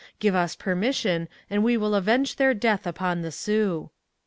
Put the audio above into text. Give us permission and we will avenge their death upon the Sioux.'